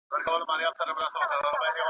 د څارویو واکسین ولي اړین دی؟